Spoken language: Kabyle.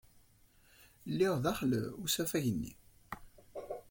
Lliɣ daxel usafag-nni.